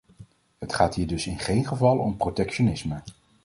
Het gaat hier dus in geen geval om protectionisme.